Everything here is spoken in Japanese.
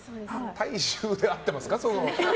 体臭で合ってますか？